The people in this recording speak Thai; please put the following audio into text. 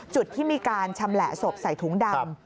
จุดที่มีการชำแหละศพใส่ถุงดำ